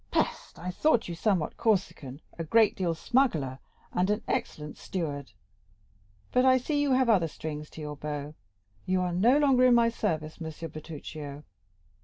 Peste! I thought you somewhat Corsican, a great deal smuggler, and an excellent steward; but I see you have other strings to your bow. You are no longer in my service, Monsieur Bertuccio."